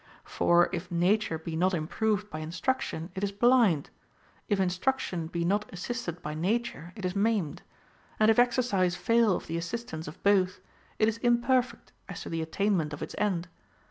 For if nature be not improved by instruction, it is blind ; if instruction be not assisted by nature, it is maimed ; and if exercise fail of the assistance of both, it is imperfect as to the attainment of its end.